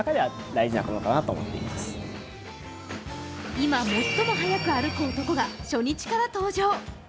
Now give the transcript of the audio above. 今、最も速く歩く男が初日から登場。